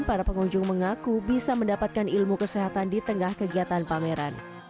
para pengunjung mengaku bisa mendapatkan ilmu kesehatan di tengah kegiatan pameran